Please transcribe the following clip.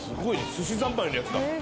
「すしざんまい」のやつだ。